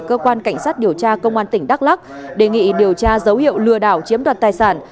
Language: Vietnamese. cơ quan cảnh sát điều tra công an tỉnh đắk lắc đề nghị điều tra dấu hiệu lừa đảo chiếm đoạt tài sản